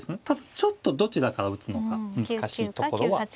ただちょっとどちらから打つのか難しいところは。